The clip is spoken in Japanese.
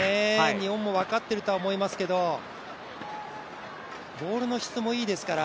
日本も分かっているとは思いますけど、ボールの質もいいですから。